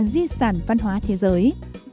di sản văn hóa thế giới